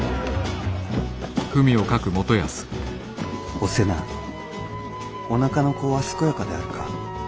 「お瀬名おなかの子は健やかであるか。